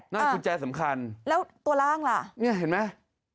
นั่นคุณแจสำคัญแล้วตัวล่างล่ะนี่เห็นไหม